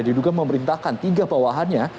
dia juga memerintahkan tiga bawahannya